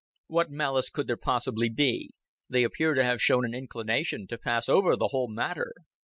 "What malice could there possibly be? They appear to have shown an inclination to pass over the whole matter."